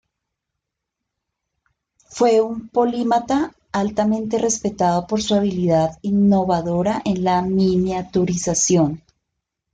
Fue un polímata altamente respetado por su habilidad innovadora en la miniaturización.